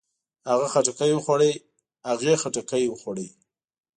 هغۀ خټکی وخوړ. هغې خټکی وخوړ.